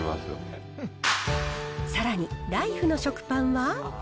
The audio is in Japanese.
さらにライフの食パンは。